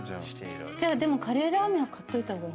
じゃあでもカレーラーメンは買っといた方が。